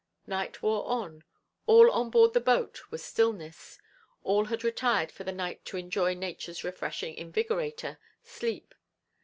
Night wore on, all on board the boat was stillness; all had retired for the night to enjoy Nature's refreshing invigorator, sleep.